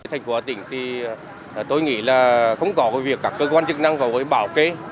tp hcm thì tôi nghĩ là không có việc các cơ quan chức năng vào với bảo kế